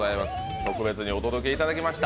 特別にお届けいただきました。